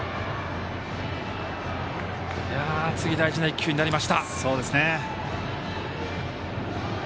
次、大事な１球になりました。